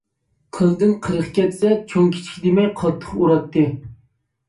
قىلدىن قىرىق كەتسە، چوڭ كىچىك دېمەي قاتتىق ئۇراتتى.